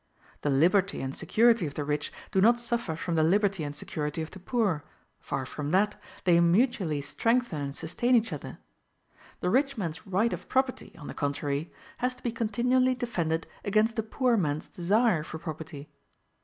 The liberty and security of the rich do not suffer from the liberty and security of the poor; far from that, they mutually strengthen and sustain each other. The rich man's right of property, on the contrary, has to be continually defended against the poor man's desire for property.